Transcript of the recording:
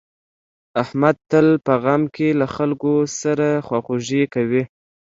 احمد تل په غم کې له خلکو سره خواخوږي کوي.